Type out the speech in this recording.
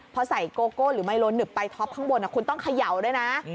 พอใส่โกโก้หรือไมโลหนึบไปท็อปข้างบนคุณต้องเขย่าด้วยนะ